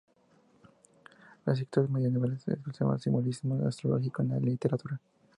Los escritores medievales utilizaban el simbolismo astrológico en la literatura.